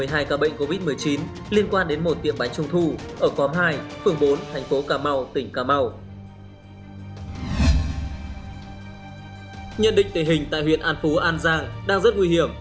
nhận định tình hình tại huyện an phú an giang đang rất nguy hiểm